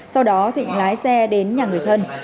sau đó thịnh lái xe đến nhà người thân